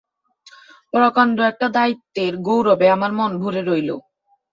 প্রকাণ্ড একটা দায়িত্বের গৌরবে আমার মন ভরে রইল।